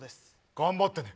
頑張ってね。